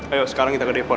ayo sekarang kita ke depon